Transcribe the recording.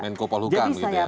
menko pak luhut kang gitu ya